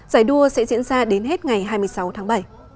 giải đua sẽ diễn ra đến hết ngày hai mươi sáu tháng bảy